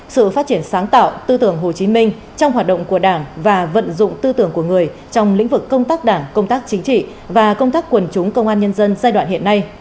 sự phát triển sáng tạo tư tưởng hồ chí minh trong hoạt động của đảng và vận dụng tư tưởng của người trong lĩnh vực công tác đảng công tác chính trị và công tác quần chúng công an nhân dân giai đoạn hiện nay